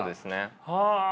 はあ。